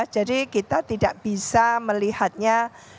jadi kita tidak bisa melihatnya